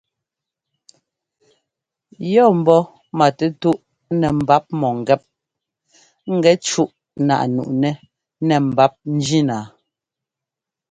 Yɔ́ ḿbɔ́ matɛtúꞌ nɛ mbap mɔ̂ŋgɛ́p ŋgɛ cúꞌ náꞌ nuꞌnɛ́ nɛ mbap njína.